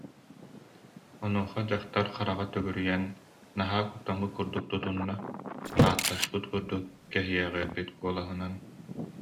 Онуоха дьахтар хараҕа төгүрүйэн, наһаа куттаммыт курдук тутунна, ааттаспыт курдук кэһиэҕирбит куолаһынан: